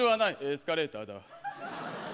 エスカレーターだ。